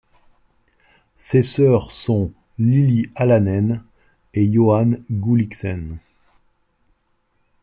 Ses sœurs sont Lilli Alanen et Johan Gullichsen.